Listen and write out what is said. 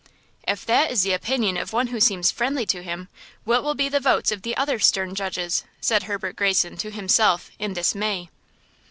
"If that is the opinion of one who seems friendly to him, what will be the votes of the other stern judges?" said Herbert Greyson to himself, in dismay.